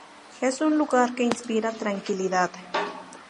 Es un lugar que inspira tranquilidad.